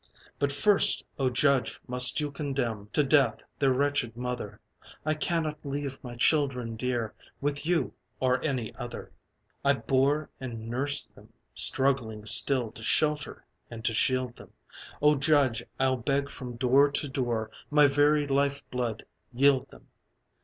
But first, oh judge, must you condemn To death their wretched mother I cannot leave my children dear With you or any other! "I bore and nursed them, struggling still To shelter and to shield them, Oh judge, I'll beg from door to door, My very life blood yield them!